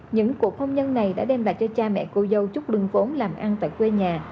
những cuộc hôn nhân này đã đem lại cho cha mẹ cô dâu chút lưng vốn làm ăn tại quê nhà